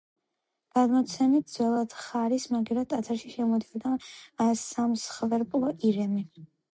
გადმოცემით, ძველად ხარის მაგივრად ტაძარში შემოდიოდა სამსხვერპლო ირემი.